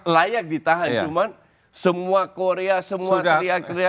layak ditahan cuman semua korea semua teriak teriak